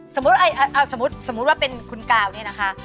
สมมติครับจะสมมติว่าใครคุณเกลานี้นะคะ